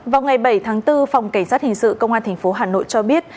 vào ngày bảy tháng bốn phòng cảnh sát hình sự công an tp hà nội cho biết